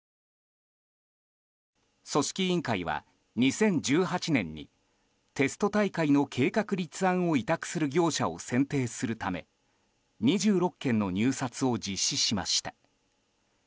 組織委員会は２０１８年にテスト大会の計画立案を委託する業者を選定するため２６件の入札を実施しました。